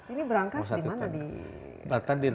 ini berangkas di mana